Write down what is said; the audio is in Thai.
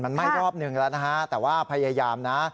มันไหม้รอบหนึ่งแล้วนะฮะแต่ว่าพยายามนะ